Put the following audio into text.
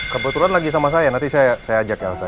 kebetulan lagi sama saya nanti saya ajak elsa